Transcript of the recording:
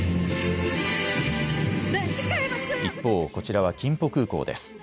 一方、こちらはキンポ空港です。